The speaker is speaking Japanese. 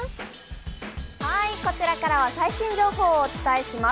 こちらからは最新情報をお伝えします。